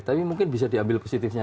tapi mungkin bisa diambil positifnya